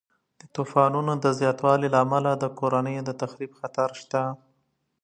د طوفانونو د زیاتوالي له امله د کورنیو د تخریب خطر شته.